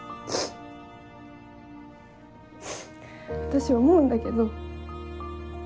私思うんだけど。